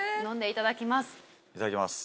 いただきます。